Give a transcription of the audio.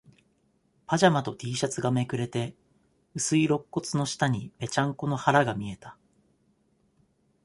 パジャマとティーシャツがめくれて、薄い肋骨の下に、ぺちゃんこの腹が見えた。